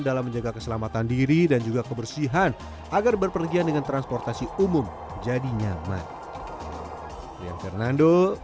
dalam menjaga keselamatan diri dan juga kebersihan agar berpergian dengan transportasi umum jadi nyaman